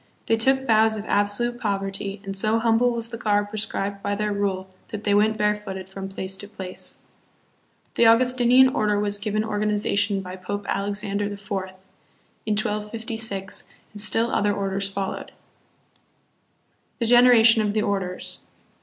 They took vows of absolute poverty, and so humble was the garb prescribed by their rule that they went barefooted from place to place. The August inian Order was given organization by Pope Alexander IV., in 1256, and still other orders followed. The Degeneration of the Orders.